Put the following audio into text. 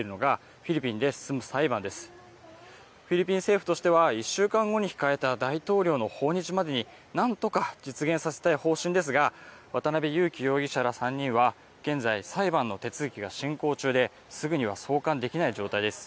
フィリピン政府としては１週間後に控えた大統領の訪日までになんとか実現させたい方針ですが渡辺優樹容疑者ら３人は現在、裁判の手続きが進行中ですぐには送還できない状態です。